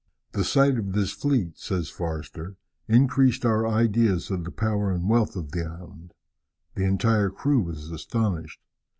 "The sight of this fleet," says Forster, "increased our ideas of the power and wealth of this island. The entire crew was astonished.